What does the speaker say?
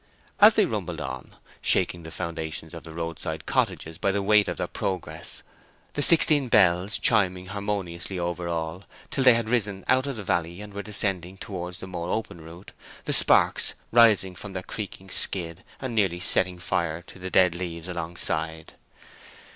So they rumbled on, shaking the foundations of the roadside cottages by the weight of their progress, the sixteen bells chiming harmoniously over all, till they had risen out of the valley and were descending towards the more open route, the sparks rising from their creaking skid and nearly setting fire to the dead leaves alongside.